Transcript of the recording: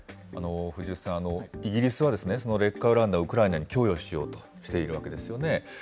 藤吉さん、イギリスは劣化ウラン弾をウクライナに供与しようとしているわけですよね。